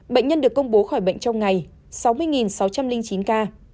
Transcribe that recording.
bệnh nhân được công bố khỏi bệnh trong ngày sáu mươi sáu trăm linh chín ca